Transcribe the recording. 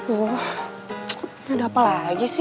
aduh ini ada apa lagi si